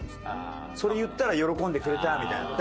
それ言ったら喜んでくれたみたいな。